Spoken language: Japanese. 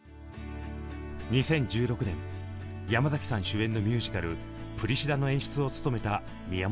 ２０１６年山崎さん主演のミュージカル「プリシラ」の演出を務めた宮本さん。